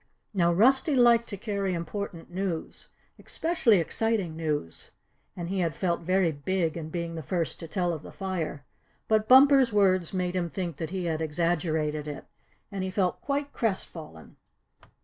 Now Rusty liked to carry important news, especially exciting news, and he had felt very big in being the first to tell of the fire; but Bumper's words made him think that he had exaggerated it, and he felt quite crest fallen.